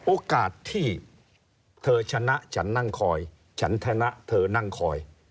โอกาสที่เธอชนะฉันนั่งคอยฉันชนะเธอนั่งคอย